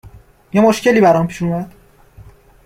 یه مشکلی برام پیش اومد